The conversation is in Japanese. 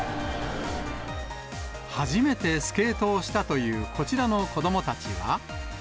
初めてスケートをしたというこちらの子どもたちは。